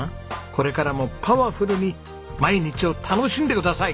これからもパワフルに毎日を楽しんでください。